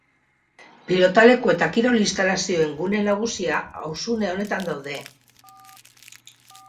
Pilotaleku eta kirol instalazioen gune nagusia auzune honetan daude.